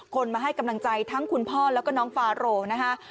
คนมาให้กำลังใจทั้งคุณพ่อแล้วก็น้องฟาโรนะคะ